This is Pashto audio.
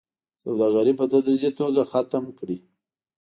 سوداګري په تدريجي توګه ختمه کړي